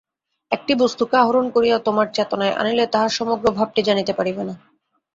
একটি বস্তুকে আহরণ করিয়া তোমার চেতনায় আনিলে তাহার সমগ্র ভাবটি জানিতে পারিবে না।